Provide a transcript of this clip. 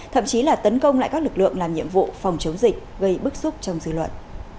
thậm chí là tấn công lại các lực lượng làm nhiệm vụ phòng chống dịch gây bức xúc trong dư luận